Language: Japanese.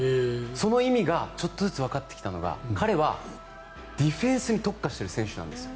その意味がちょっとずつわかってきたのが彼はディフェンスに特化した選手なんですよ。